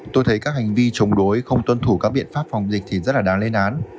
tôi thấy các hành vi chống đối không tuân thủ các biện pháp phòng dịch thì rất là đáng lên án